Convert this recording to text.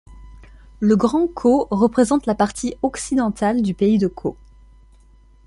Le Grand-Caux représente la partie occidentale du pays de Caux.